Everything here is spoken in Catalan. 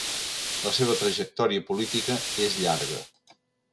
La seva trajectòria política és llarga.